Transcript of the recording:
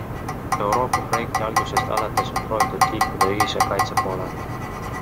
Euroopa projekti algusest alates on proovitud liikuda ühise kaitse poole.